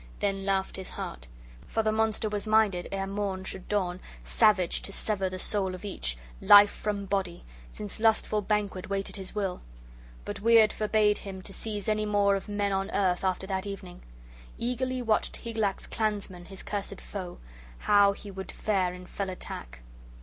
Then laughed his heart; for the monster was minded, ere morn should dawn, savage, to sever the soul of each, life from body, since lusty banquet waited his will! But Wyrd forbade him to seize any more of men on earth after that evening. Eagerly watched Hygelac's kinsman his cursed foe, how he would fare in fell attack.